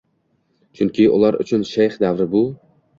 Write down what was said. Chunki ular uchun “shayx davri” bu